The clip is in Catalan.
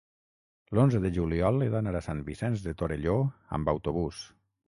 l'onze de juliol he d'anar a Sant Vicenç de Torelló amb autobús.